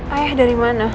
ayah dari mana